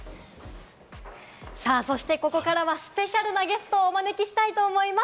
そして、ここからはスペシャルなゲストをお招きしたいと思います。